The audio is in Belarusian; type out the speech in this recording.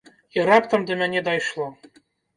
І раптам да мяне дайшло.